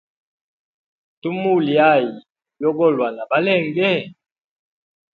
Tumulya ayi yogolwa na balenge?